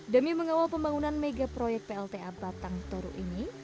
demi mengawal pembangunan megaproyek plta batang toru ini